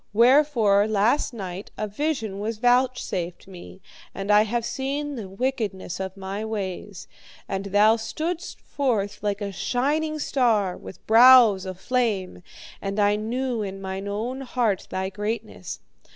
Wherefore, last night a vision was vouchsafed me, and I have seen the wickedness of my ways. And thou stoodst forth like a shining star, with brows aflame, and I knew in mine own heart thy greatness.